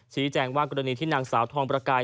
ชี้แจงว่ากรณีที่นางสาวทองประกาย